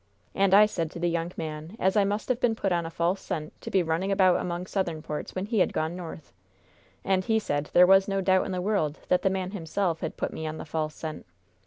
And I said to the young man as I must have been put on a false scent to be running about among Southern ports, when he had gone North. And he said there was no doubt in the world that the man himself had put me on the false scent.